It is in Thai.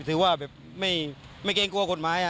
ถือว่าแบบไม่เกรงกลัวกฎหมาย